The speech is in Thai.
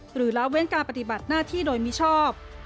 ละเว้นการปฏิบัติหน้าที่โดยมิชอบ